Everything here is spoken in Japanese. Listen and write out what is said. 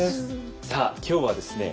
さあ今日はですね